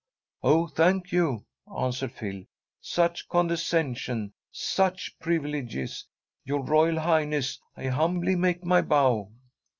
"Oh, thank you!" answered Phil. "Such condescension! Such privileges! Your Royal Highness, I humbly make my bow!"